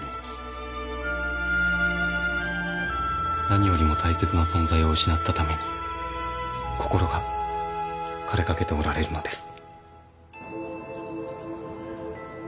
何よりも大切な存在を失ったために心が枯れかけておられるのです。